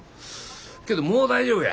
けどもう大丈夫や。